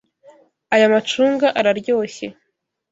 Aya macunga araryoshye.